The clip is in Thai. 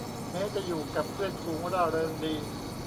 แม้จะอยู่กับเพื่อนฝูงร่าเริงดี